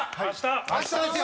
蛍原：明日ですよ